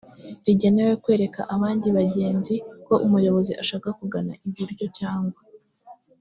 rigenewe kwereka abandi bagenzi ko umuyobozi ashaka kugana iburyo cyangwa